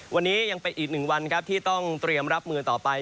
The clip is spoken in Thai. วันนี้ยังเป็นอีกหนึ่งวันครับที่ต้องเตรียมรับมือต่อไป